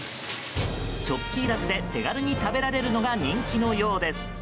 食器いらずで手軽に食べられるのが人気のようです。